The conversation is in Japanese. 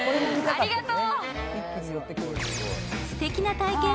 ありがとう！